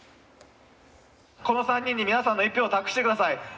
この３人に皆さんの１票を託してください。